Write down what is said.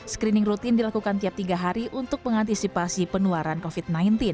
screening rutin dilakukan tiap tiga hari untuk mengantisipasi penularan covid sembilan belas